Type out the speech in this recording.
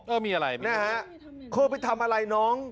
เออมีอะไรนะครับเขาไปทำอะไรน้อง